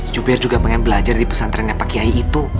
jubir juga pengen belajar di pesantrennya pak kiai itu